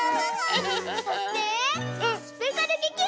えっ？